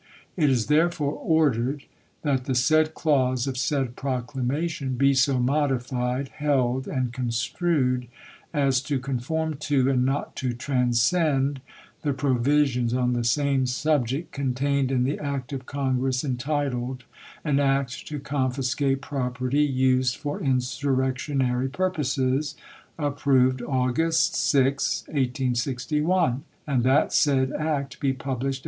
It is therefore ordered that the said clause of said proclamation be so modified, held, and construed as to conform to, and not to transcend, the provisions on the same subject con Lincoin to taiucd in the act of Congress entitled, " An act to con ^e^TTi*' fiscate property used for insurrectionary purposes,'' 1861. iv. R. approved August 6, 1861, and that said act be published pp.